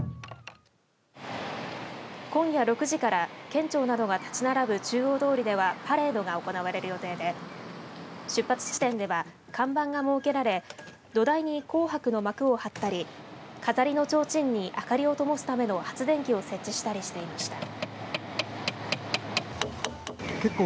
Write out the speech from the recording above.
今夜６時から県庁などが建ち並ぶ中央通ではパレードが行われる予定で出発地点では看板が設けられ土台に紅白の幕を張ったり飾りのちょうちんに明かりをともすための発電機を設置したりしていました。